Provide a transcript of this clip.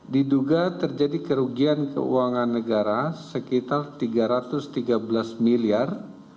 diduga terjadi kerugian keuangan negara sekitar rp tiga ratus tiga belas miliar